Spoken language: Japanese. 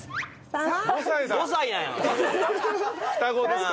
双子ですか。